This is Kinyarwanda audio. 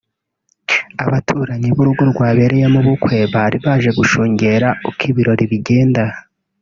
Abaturanyi b’urugo rwabereyemo ubukwe bari baje gushungera uko ibirori bigenda